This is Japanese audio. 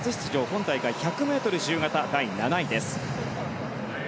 今大会１００ｍ自由形第７位です。